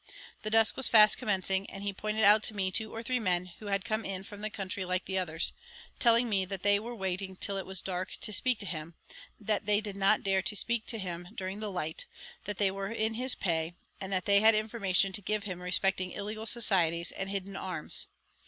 The dusk was fast commencing, and he pointed out to me two or three men, who had come in from the country like the others, telling me that they were waiting till it was dark to speak to him; that they did not dare to speak to him during the light; that they were in his pay; and that they had information to give him respecting illegal societies, and hidden arms.